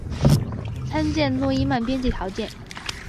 参见诺伊曼边界条件。